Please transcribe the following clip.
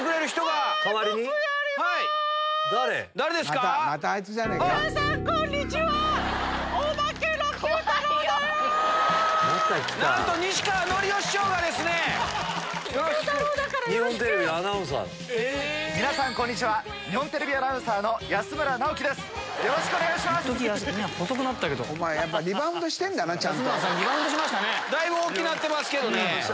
だいぶ大きくなってますけどね。